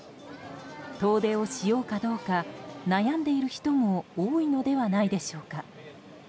遠出をしようかどうか悩んでいる人も多いのではないでしょうか。